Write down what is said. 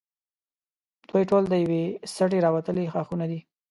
دوی ټول د یوې سټې راوتلي ښاخونه دي.